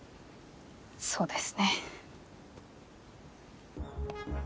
そうですね。